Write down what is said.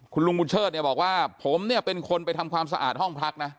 คุณลุงบุญเชิดเนี่ยบอกว่าผมเนี่ยเป็นคนไปทำความสะอาดห้องพักนะ